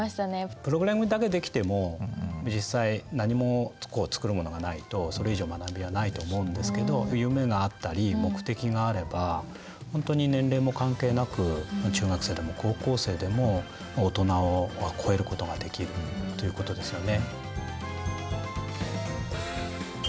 プログラミングだけできても実際何も作るものがないとそれ以上学びはないと思うんですけど夢があったり目的があれば本当に年齢も関係なく中学生でも高校生でも大人を超えることができるっていうことですよね。